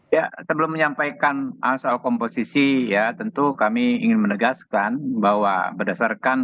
ya sebelum menyampaikan soal komposisi ya tentu kami ingin menegaskan bahwa berdasarkan